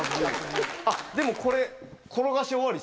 あっでもこれ。